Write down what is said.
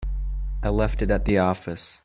I left it at the office.